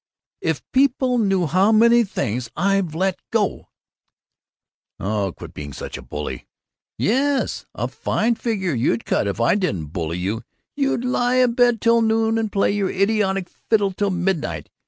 If people knew how many things I've let go " "Oh, quit being such a bully." "Yes, a fine figure you'd cut if I didn't bully you! You'd lie abed till noon and play your idiotic fiddle till midnight!